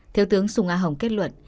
theo tướng sùng a hồng kết luận